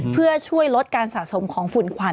เพื่อช่วยลดการสะสมของฝุ่นขวัญ